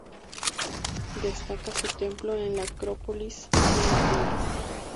Destaca su templo en la Acrópolis de Atenas.